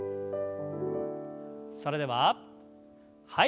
それでははい。